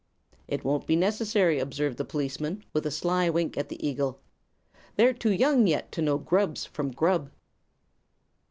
"It won't be necessary," observed the policeman, with a sly wink at the eagle. "They're too young yet to know grubs from grub."